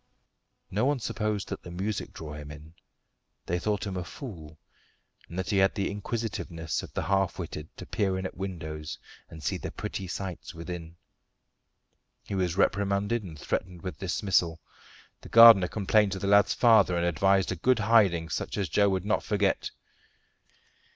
No one supposed that the music drew him. They thought him a fool, and that he had the inquisitiveness of the half witted to peer in at windows and see the pretty sights within. He was reprimanded, and threatened with dismissal. The gardener complained to the lad's father and advised a good hiding, such as Joe should not forget.